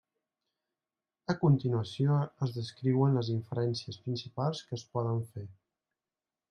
A continuació es descriuen les inferències principals que es poden fer.